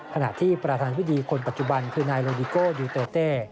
ขณะที่ประธานพิธีคนปัจจุบันคือนายโลดิโก้ดูเตอร์เต้